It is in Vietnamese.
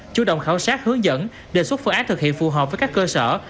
chủ động khảo sát hướng dẫn đề xuất phương án thực hiện phù hợp với các cơ sở